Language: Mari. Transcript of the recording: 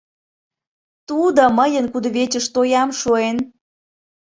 Тудо мыйын кудывечыш тоям шуэн...